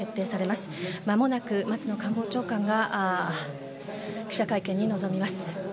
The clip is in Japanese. まもなく松野官房長官が記者会見に臨みます。